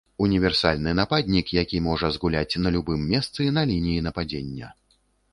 Універсальны нападнік, які можа згуляць на любым месцы на лініі нападзення.